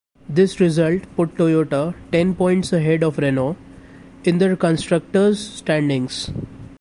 This result put Toyota ten points ahead of Renault in the constructors' standings.